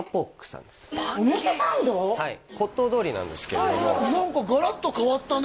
骨董通りなんですけれども何かガラッと変わったね